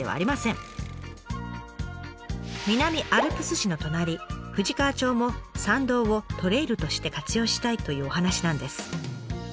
南アルプス市の隣富士川町も山道をトレイルとして活用したいというお話なんです。